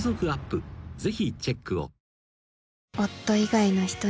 ぜひチェックを］